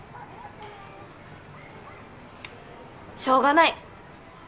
しょうがない！